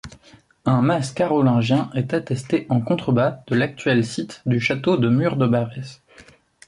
Un mas carolingien est attesté en contrebas de l'actuel site du château du Mur-de-Barrez.